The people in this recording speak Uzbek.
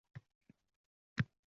Fidoyi kasb egalari - e’zozda